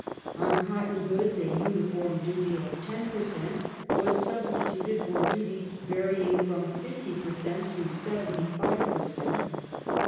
; on cotton goods a uniform duty of 10 per cent, was substituted for duties varying from 50 per cent, to 75 per cent.